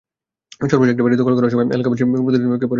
সর্বশেষ একটি বাড়ি দখল করার সময় এলাকাবাসীর প্রতিরোধের মুখে পড়ে চক্রটি।